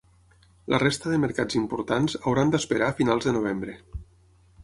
La resta de mercats importants hauran d'esperar a finals de novembre.